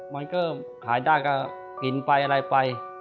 มันก็ขายได้ก็กินไปอะไรไป